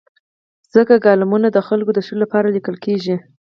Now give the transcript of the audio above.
ځکه کالمونه د خلکو د شعور لپاره لیکل کېږي.